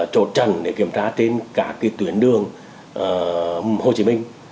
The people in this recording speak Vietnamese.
trột trần để kiểm tra trên cả cái tuyến đường hồ chí minh